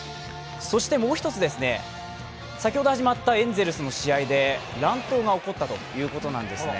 そしてもう一つ、先ほど始まったエンゼルスの試合で乱闘が起こったということなんですね。